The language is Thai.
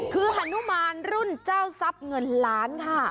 คือฮนุมารรุ่นเจ้าซับเงินล้านค่ะ